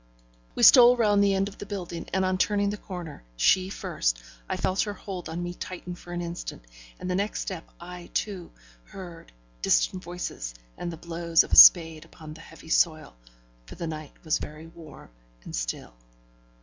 We stole round the end of the building, and on turning the corner she first I felt her hold on me tighten for an instant, and the next step I, too, heard distant voices, and the blows of a spade upon the heavy soil, for the night was very warm and still.